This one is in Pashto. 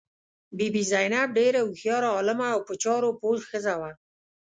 بي بي زینب ډېره هوښیاره، عالمه او په چارو پوه ښځه وه.